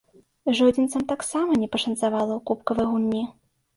Жодзінцам таксама не пашанцавала ў кубкавай гульні.